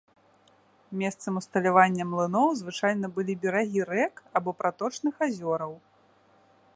Месцам усталявання млыноў звычайна былі берагі рэк або праточных азёраў.